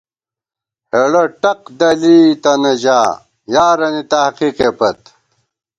ہېڑہ ٹق دَلی تَنہ ژا ، یارَنی تحقیقے پت